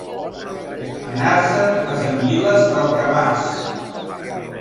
Anar-se'n les anguiles del cabàs.